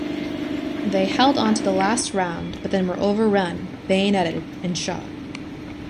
They held on to the last round but were then overrun, bayoneted and shot.